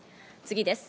次です。